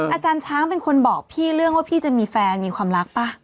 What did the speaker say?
อาจารย์ช้างเป็นคนบอกพี่เรื่องว่าพี่จะมีแฟนมีความรักป่ะ